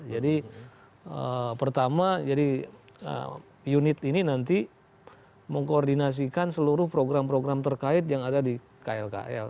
jadi pertama unit ini nanti mengkoordinasikan seluruh program program terkait yang ada di kl kl